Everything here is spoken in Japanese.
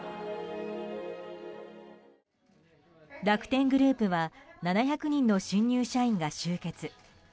楽天グループは７００人の新入社員が集結。